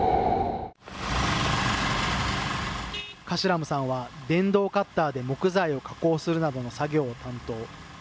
カシラムさんは電動カッターで木材を加工するなどの作業を担当。